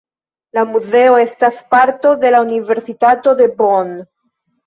La muzeo estas parto de la Universitato de Bonn.